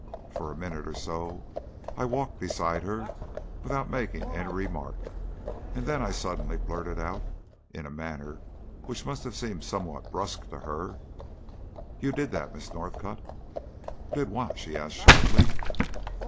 For a minute or so I walked beside her without making any remark, and then I suddenly blurted out, in a manner which must have seemed somewhat brusque to her "You did that, Miss Northcott." "Did what?" she asked sharply.